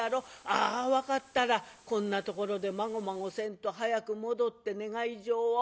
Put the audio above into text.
ああ分かったらこんなところでまごまごせんと早く戻って願い状を。